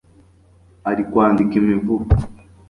arikwandika imivugo